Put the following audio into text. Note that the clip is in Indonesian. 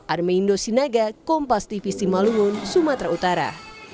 armei indosinaga kompas divisi malungun sumatera utara